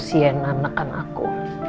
siena menekan aku